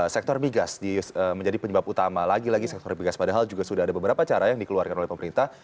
sektor migas menjadi penyebab utama lagi lagi sektor migas padahal juga sudah ada beberapa cara yang dikeluarkan oleh pemerintah